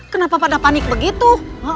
kenapa pada panik begitu